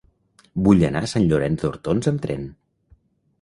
Vull anar a Sant Llorenç d'Hortons amb tren.